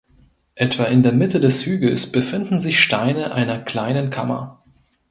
Etwa in der Mitte des Hügels befinden sich Steine einer kleinen Kammer.